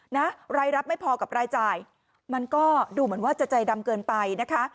รายรับไม่พอกับรายจ่ายมันก็ดูเหมือนว่าจะใจดำเกินไปนะคะ